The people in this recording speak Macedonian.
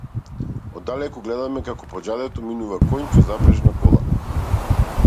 Оддалеку гледаме како по џадето минува коњ со запрежна кола.